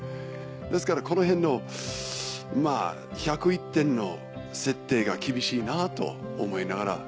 ですからこの辺の１０１点の設定が厳しいなと思いながら。